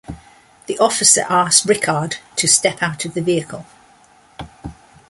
The officer asked Rickard to step out of the vehicle.